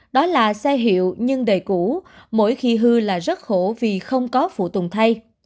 đó là xe hiệu nhưng đầy cũ mỗi khi hư là rất khổ vì không có phụ tùng thay